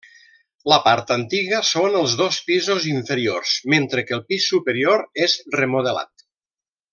La part antiga són els dos pisos inferiors, mentre que el pis superior és remodelat.